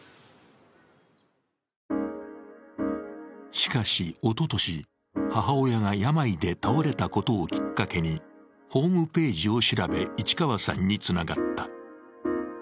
しかし、おととし、母親が病で倒れたことをきっかけにホームページを調べ市川さんにつながった。